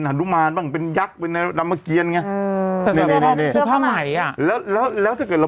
ชุดแกไม่เปลี่ยนเลยกับแมสอ่ะ